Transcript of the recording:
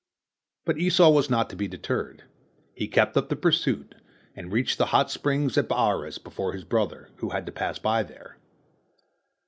But Esau was not to be deterred. He kept up the pursuit, and reached the hot springs at Baarus before his brother, who had to pass by there.